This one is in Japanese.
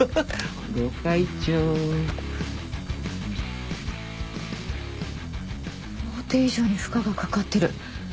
想定以上に負荷がかかってる。